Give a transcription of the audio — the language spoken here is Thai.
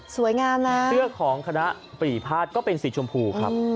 งามนะเสื้อของคณะปรีภาษก็เป็นสีชมพูครับ